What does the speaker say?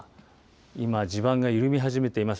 今、地盤が緩み始めています。